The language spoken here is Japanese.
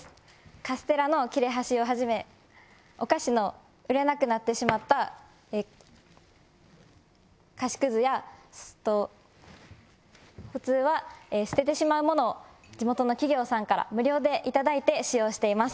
カステラの切れ端をはじめお菓子の売れなくなってしまった菓子クズや普通は捨ててしまうものを地元の企業さんから無料でいただいて使用しています。